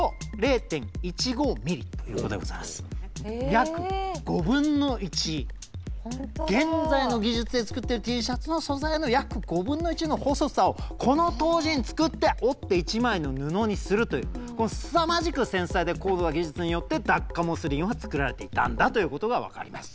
約５分の１。現在の技術で作ってるＴシャツの素材の約５分の１の細さをこの当時に作って織って１枚の布にするというこのすさまじく繊細で高度な技術によってダッカモスリンは作られていたんだということが分かります。